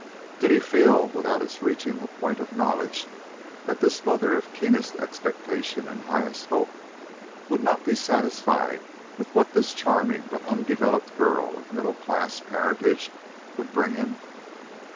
Did he feel, without its reaching the point of knowledge, that this mother of keenest expectation and highest hope would not be satisfied with what this charming but undeveloped girl of middle class parentage would bring him?